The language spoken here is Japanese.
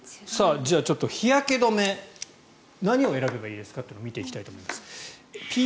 じゃあ日焼け止め何を選べばいいですかというのを見ていきたいと思います。